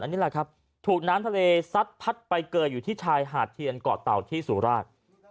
นี่แหละครับถูกน้ำทะเลซัดพัดไปเกยอยู่ที่ชายหาดเทียนเกาะเต่าที่สุราช